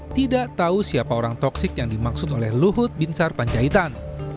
tidak tahu siapa orang toksik yang dimaksud oleh luhut binsar panjaitan